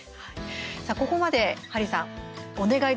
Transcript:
ここまで、ハリーさん「おねがい！